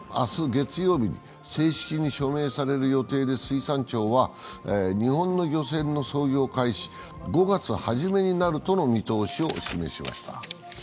月曜日に正式に署名される予定で、水産庁は日本漁船の操業開始は５月初めになるとの見通しを示しました。